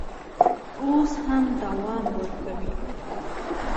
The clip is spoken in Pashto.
اوس هم دوام ورکوي.